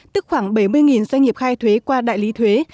tức khoảng bảy mươi doanh nghiệp khai thuế qua đại lý thuế